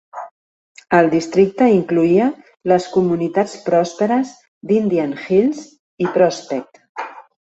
El districte incloïa les comunitats pròsperes d'Indian Hills i Prospect.